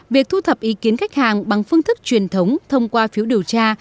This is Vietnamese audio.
việc thu thập ý kiến khách hàng bằng phương thức truyền thống thông qua phiếu điều tra